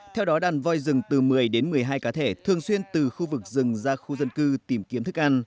theo đó đàn voi rừng từ một mươi đến một mươi hai cá thể thường xuyên từ khu vực rừng ra khu dân cư tìm kiếm thức ăn